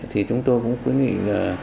thì chúng tôi cũng quyết định